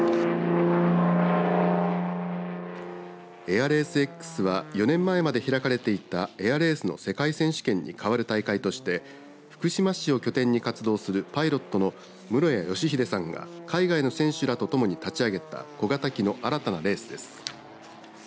ＡＩＲＲＡＣＥＸは４年前まで開かれていたエアレースの世界選手権に代わる大会として福島市を拠点に活動するパイロットの室屋義秀さんが海外の選手らと共に立ち上げた小型機の新たなレースです。